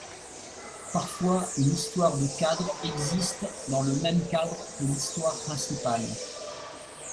Parfois, une histoire de cadre existe dans le même cadre que l'histoire principale.